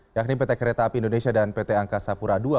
yakni pt kereta api indonesia dan pt angkasa pura ii